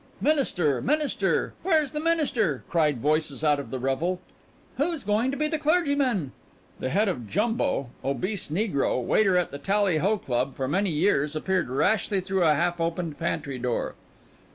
"Minister! Minister! Where's the minister?" cried voices out of the revel. "Who's going to be the clergyman?" The head of Jumbo, obese negro, waiter at the Tally ho Club for many years, appeared rashly through a half opened pantry door.